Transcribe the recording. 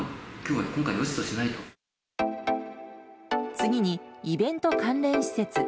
次にイベント関連施設。